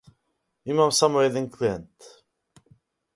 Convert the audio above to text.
Имам само еден клиент.